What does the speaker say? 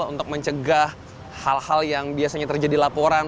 untuk mencegah hal hal yang biasanya terjadi laporan